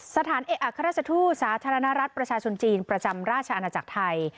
สถานเอกอัครราชทูตสาธารณรัฐประชาชนจีนประจำราชอาณาจักรไทย